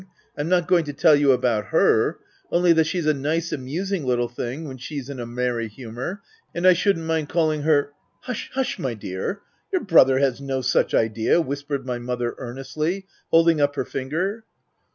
— I'm not going to tell you about her ;— only that she's a nice, amusing little thing, when she is in a merry humour, and I shouldn't mind calling her "" Hush, hush, my dear ! your brother has no such idea !" whispered my mother earnestly, holding up her finger.